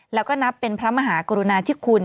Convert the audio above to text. แล้วก็นับเป็นพระมหากรุณาธิคุณ